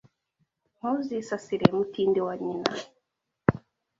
Ntuzisasire Mutindi wa Nyina